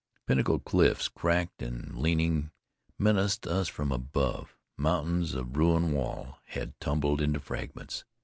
Pinnacled cliffs, cracked and leaning, menaced us from above. Mountains of ruined wall had tumbled into fragments.